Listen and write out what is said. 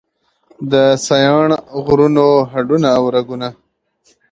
د سیاڼ غرونو هډونه او رګونه